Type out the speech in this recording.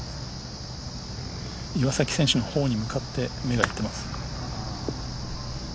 岩崎選手のほうに向かって目が行っています。